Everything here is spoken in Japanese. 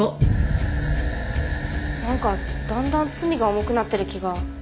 なんかだんだん罪が重くなってる気が。